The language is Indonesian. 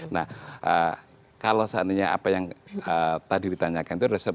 nah kalau seandainya apa yang tadi ditanyakan itu ada sebetulnya apa